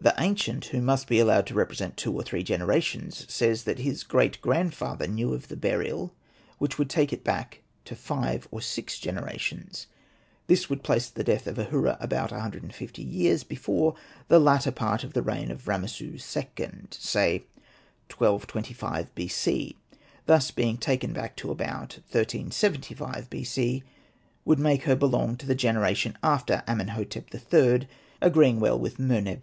The ancient, who must be allowed to represent two or three generations, says that his great grandfather knew of the burial, which would take it back to five or six genera tions. This would place the death of Ahura about 150 years before the latter part of the reign of Ramessu IL, say 1225 b.c. : thus, being taken back to about 1375 b.c, would make her belong to the generation after Amenhotep III., agreeing well with Mer.neb.